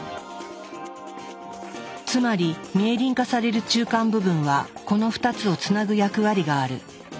つまりミエリン化される中間部分はこの２つをつなぐ役割がある。